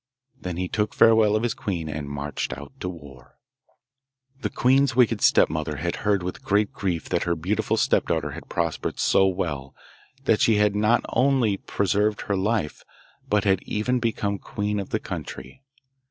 Then he took farewell of his queen, and marched out to war. The queen's wicked stepmother had heard with great grief that her beautiful stepdaughter had prospered so well that she had not only preserved her life, but had even become queen of the country.